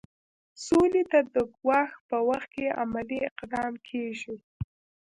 سولې ته د ګواښ په وخت کې عملي اقدام کیږي.